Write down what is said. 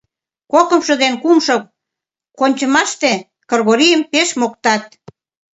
Кокымшо ден кумшо кончымаште Кыргорийым пеш моктат.